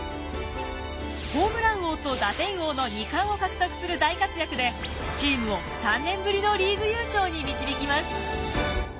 ホームラン王と打点王の２冠を獲得する大活躍でチームを３年ぶりのリーグ優勝に導きます。